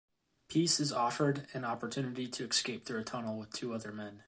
Pease is offered an opportunity to escape through a tunnel with two other men.